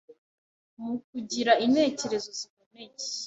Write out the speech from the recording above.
Mu kugira intekerezo ziboneye